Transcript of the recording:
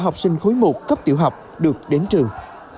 một cấp tiểu học được đến trường